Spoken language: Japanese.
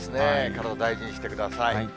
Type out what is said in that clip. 体大事にしてください。